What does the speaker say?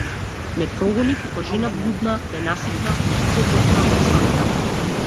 Ме прогони како жена блудна, ненаситна, похотна, осамена.